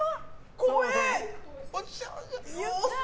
怖い！